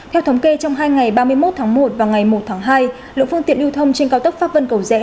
theo thống kê trong hai ngày ba mươi một tháng một và ngày một tháng hai lượng phương tiện lưu thông trên cao tốc pháp vân cầu rẽ